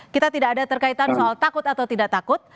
kita tidak ada terkaitan soal takut atau tidak takut